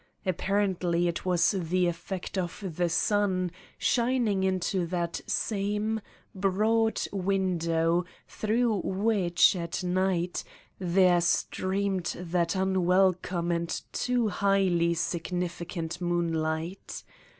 Apparently it was the effect of the sun, shining into that same, broad window through which, at night, there streamed that unwelcome and too highly signifi cant moonlight.